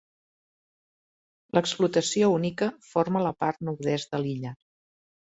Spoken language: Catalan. L'explotació única forma la part nord-est de l'illa.